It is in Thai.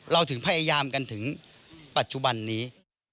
เราถึงพยายามกันถึงปัจจุบันนี้